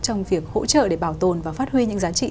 trong việc hỗ trợ để bảo tồn và phát huy những giá trị